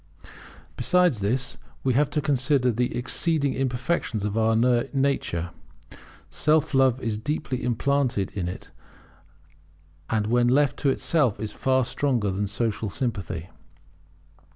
Besides this, we have to consider the exceeding imperfection of our nature. Self love is deeply implanted in it, and when left to itself is far stronger than Social Sympathy.